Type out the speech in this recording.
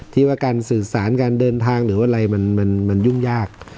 ที่ว่าการสื่อสารการเดินทางหรือว่าอะไรมันยุ่งยาก